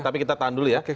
tapi kita tahan dulu ya